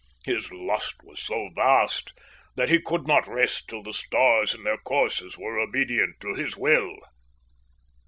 His lust was so vast that he could not rest till the stars in their courses were obedient to his will."